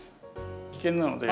危険なので。